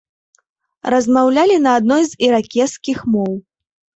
Размаўлялі на адной з іракезскіх моў.